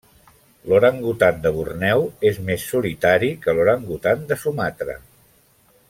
L'orangutan de Borneo és més solitari que l'orangutan de Sumatra.